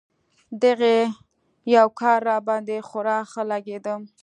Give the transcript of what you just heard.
د هغې يو کار راباندې خورا ښه لګېده.